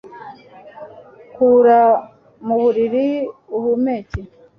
kura mu buriri uhumeke